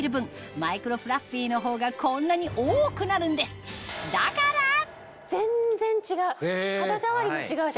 マイクロフラッフィーのほうがこんなに多くなるんです全然違う肌触りも違うし。